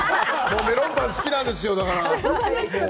メロンパン大好きなんですよ。